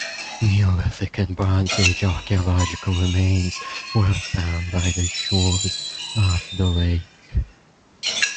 Neolithic and Bronze Age archaeological remains were found by the shores of the lake.